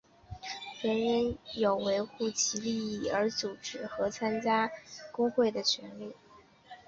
人人有为维护其利益而组织和参加工会的权利。